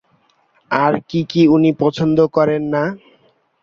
আর কি কি উনি পছন্দ করেন না?